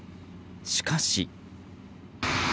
しかし。